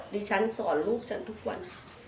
ดิฉันสอนลูกฉันทุกวัน